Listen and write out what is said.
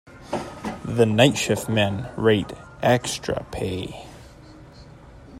The night shift men rate extra pay.